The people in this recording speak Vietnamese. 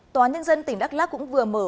tòa nhân dân tỉnh đắk lắc cũng vừa mở